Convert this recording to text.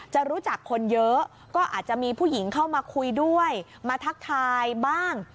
จะรู้จักคนเยอะก็อาจจะมีผู้หญิงเข้ามาคุยด้วยมาทักทายบ้าง